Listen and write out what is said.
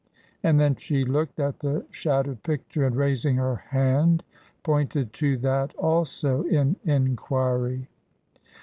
And then she looked at the shattered picture, and raising her hand, pointed to that also in enquiry.